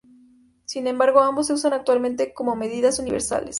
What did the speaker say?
Sin embargo, ambos se usan actualmente como medidas universales.